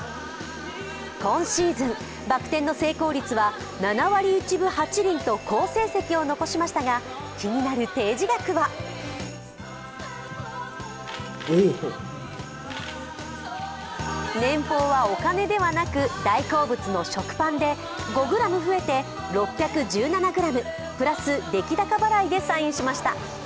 今シーズン、バック転の成功率は７割１分８厘と好成績を残しましたが、気になる提示額は年俸はお金ではなく大好物の食パンで５ｇ増えて６１７ｇ、プラス出来高払いでサインしました。